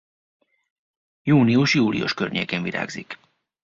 Június-július környékén virágzik.